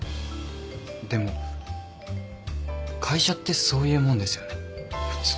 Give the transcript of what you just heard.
でも会社ってそういうもんですよね普通。